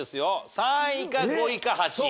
３位か５位か８位。